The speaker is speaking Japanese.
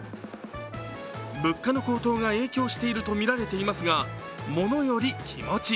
物価の高騰が影響しているとみられていますが、物より気持ち。